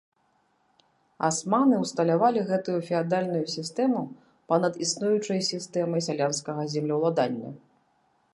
Асманы ўсталявалі гэтую феадальную сістэму па-над існуючай сістэмай сялянскага землеўладання.